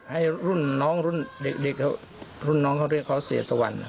ให้รุ่นน้องรุ่นเด็กเขาเรียกเขาเสียตะวัน